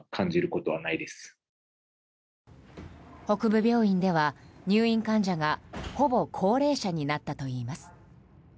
北部病院では入院患者がほぼ高齢者になったといいます。